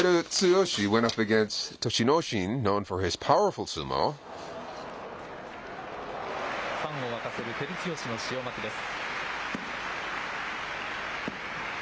ファンを沸かせる照強の塩まきです。